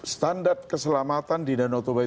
standar keselamatan di danau toba